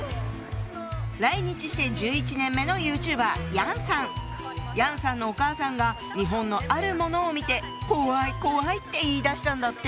来日して１１年目の楊さんのお母さんが日本のあるものを見て怖い怖いって言いだしたんだって！